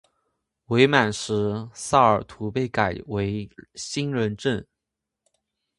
伪满时萨尔图被改为兴仁镇。